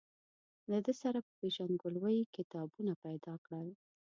له ده سره په پېژندګلوۍ کتابونه پیدا کړل.